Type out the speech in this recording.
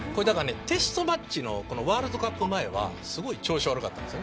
テストマッチのワールドカップ前はすごい調子が悪かったんです。